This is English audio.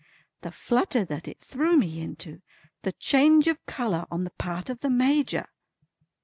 The flutter that it threw me into. The change of colour on the part of the Major!